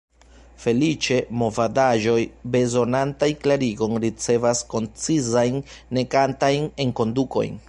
Feliĉe, movadaĵoj, bezonantaj klarigon, ricevas koncizajn nekantajn enkondukojn.